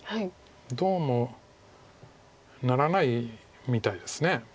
どうもならないみたいです。